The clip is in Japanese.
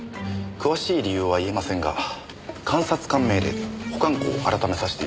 詳しい理由は言えませんが監察官命令で保管庫をあらためさせて頂きます。